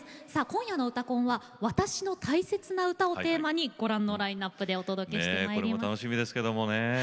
今夜の「うたコン」は「私の大切な歌」をテーマにご覧のラインナップでお送りします。